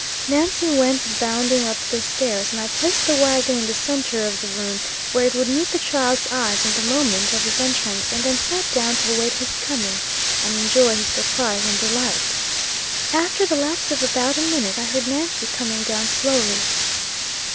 Nancy went bounding up the stairs, and I placed the wagon in the centre of the room where it would meet the child's eyes on the moment of his entrance, and then sat down to await his coming, and enjoy his surprise and delight. After the lapse of about a minute, I heard Nancy coming down slowly.